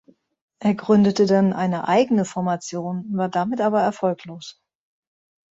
Er gründete dann eine eigene Formation, war damit aber erfolglos.